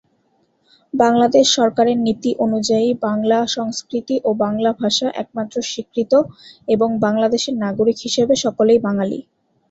বাংলাদেশ সরকারের নীতি অনুযায়ী, বাংলা সংস্কৃতি ও বাংলা ভাষা একমাত্র স্বীকৃত এবং বাংলাদেশের নাগরিক হিসেবে সকলেই বাঙালি।